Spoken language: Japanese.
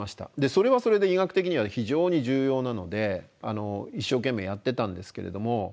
それはそれで医学的には非常に重要なので一生懸命やってたんですけれども。